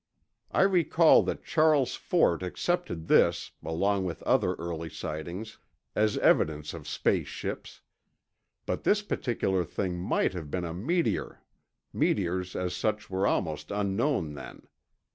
I recall that Charles Fort accepted this, along with other early sightings, as evidence of space ships. But this particular thing might have been a meteor—meteors as such were almost unknown then.